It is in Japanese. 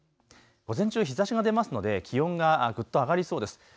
午前中、日ざしが出ますので気温がぐっと上がりそうです。